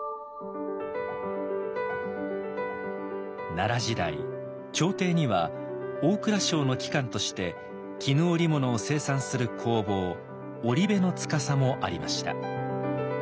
奈良時代朝廷には大蔵省の機関として絹織物を生産する工房織部司もありました。